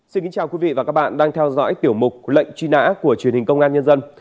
xin kính chào quý vị và các bạn đang theo dõi tiểu mục lệnh truy nã của truyền hình công an nhân dân